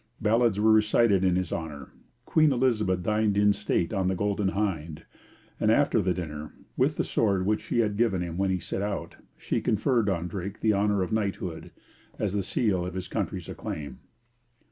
Ballads were recited in his honour. Queen Elizabeth dined in state on the Golden Hind, and, after the dinner, with the sword which she had given him when he set out, she conferred on Drake the honour of knighthood, as the seal of his country's acclaim.